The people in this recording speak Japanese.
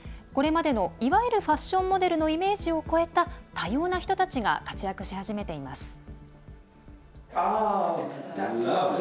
これまでのいわゆるファッションモデルのイメージを超えた多様な人たちが活躍し始めています。